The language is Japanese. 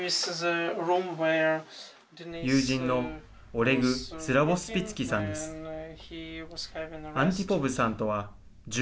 友人のオレグ・スラボスピツキさんです。